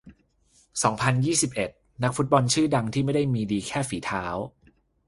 สองพันยี่สิบเอ็ด นักฟุตบอลชื่อดังที่ไม่ได้มีดีแค่ฝีเท้า